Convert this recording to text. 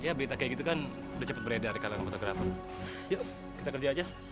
ya berita kayak gitu kan udah cepet beredar kalangan fotografer yuk kita kerja aja